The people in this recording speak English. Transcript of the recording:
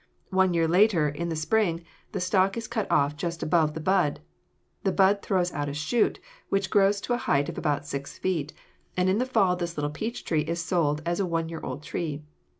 One year later, in the spring, the stock is cut off just above the bud. The bud throws out a shoot, which grows to a height of about six feet, and in the fall this little peach tree is sold as a one year old tree.